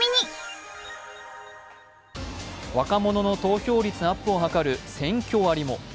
若者の投票率アップを図るセンキョ割も。